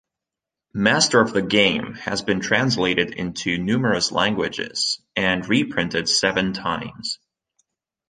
"Master of the Game" has been translated into numerous languages, and reprinted seven times.